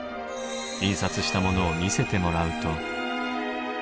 印刷したものを見せてもらうと。